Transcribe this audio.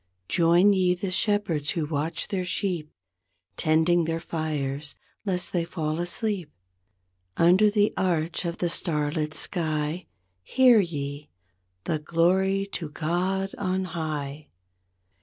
Join ye the shepherds who watch their sheep Tending their fires lest they fall asleep; Under the arch of the star lit sky. Hear ye, the ''Glory to God on High".